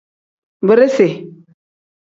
Birisi.